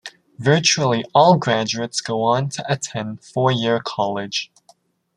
Virtually all graduates go on to attend four-year college.